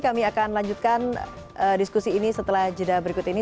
kami akan lanjutkan diskusi ini setelah jeda berikut ini